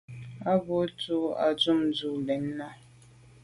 A bwô ndù o tum dù’ z’o lem nà.